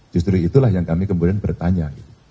justru itulah yang kami kemudian bertanya